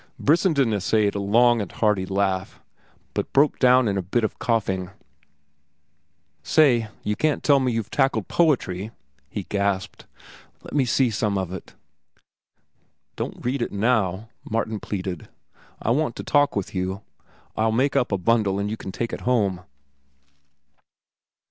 Brissenden essayed a long and hearty laugh, but broke down in a fit of coughing. "Say, you needn't tell me you haven't tackled poetry," he gasped. "Let me see some of it." "Don't read it now," Martin pleaded. "I want to talk with you. I'll make up a bundle and you can take it home."